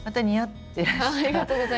ありがとうございます。